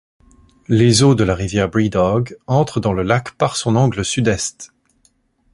Les eaux de la rivière Breedoge entrent dans le lac par son angle sud-est.